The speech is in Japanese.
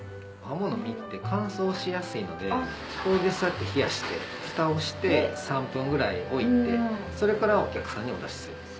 鱧の身って乾燥しやすいので氷でサッと冷やしてフタをして３分ぐらい置いてそれからお客さんにお出ししてるんです。